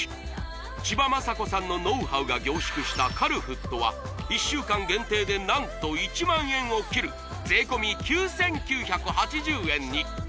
千葉真子さんのノウハウが凝縮したカルフットは１週間限定で何と１万円を切る税込９９８０円に！